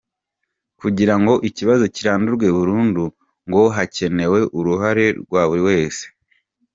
Kugira ngo iki kibazo kirandurwe burundu ngo hakenewe uruhare rwa buri wese.